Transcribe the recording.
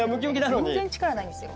全然力ないんですよ。